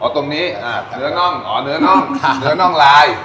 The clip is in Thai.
อ๋อตรงนี้เนื้อน่องเนื้อน่องลาย